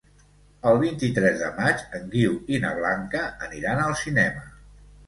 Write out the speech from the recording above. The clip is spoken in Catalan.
El vint-i-tres de maig en Guiu i na Blanca aniran al cinema.